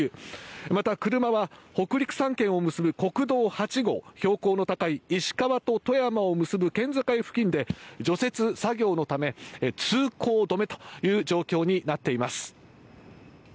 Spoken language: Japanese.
また車は北陸３県を結ぶ国道８号標高の高い石川と富山を結ぶ県境付近で除雪作業のため通行止めという状況になっています。